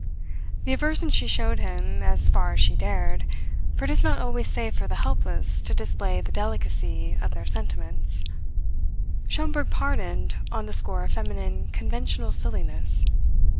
The aversion she showed him as far as she dared (for it is not always safe for the helpless to display the delicacy of their sentiments), Schomberg pardoned on the score of feminine conventional silliness.